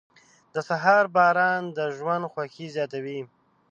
• د سهار باران د ژوند خوښي زیاتوي.